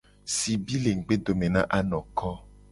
Sibi le ngugbedome na anoko.